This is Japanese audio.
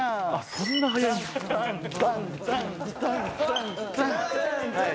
そんな速いんだ。